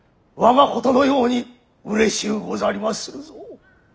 我がことのようにうれしゅうござりまするぞ。